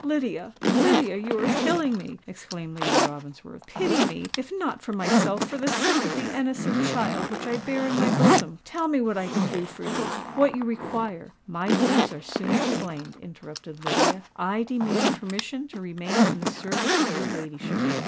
"Lydia—Lydia, you are killing me!" exclaimed Lady Ravensworth. "Pity me—if not for myself, for the sake of the innocent child which I bear in my bosom. Tell me what I can do for you—what you require——" "My views are soon explained," interrupted Lydia. "I demand permission to remain in the service of your ladyship."